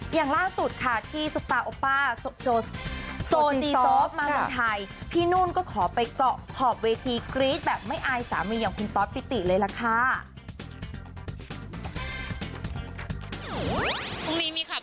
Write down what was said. อย่างล่าสุดค่ะที่สุดม